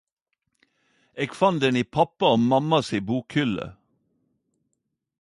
Eg fann den i pappa og mamma si bokhylle.